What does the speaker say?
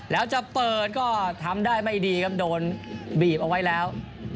แล้วจะเปิดก็ทำได้ไม่ดีครับโดนบีบเอาไว้แล้ว